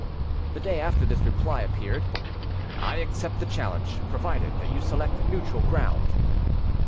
The day after, this reply appeared: "I accept the challenge, provided that you select neutral ground."